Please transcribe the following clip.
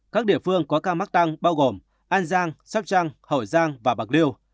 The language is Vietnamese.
các địa phương có ca mắc tăng bao gồm an giang sóc trăng hậu giang và bạc liêu